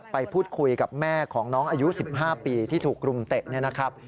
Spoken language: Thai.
ไปพูดคุยกับแม่ของน้องอายุ๑๕ปีที่ถูกกลุ่มเตะ